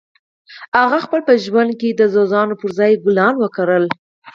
هغه په خپل ژوند کې د اغزیو پر ځای ګلان وکرل